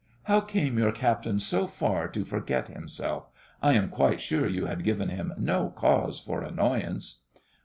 How came your captain so far to forget himself? I am quite sure you had given him no cause for annoyance.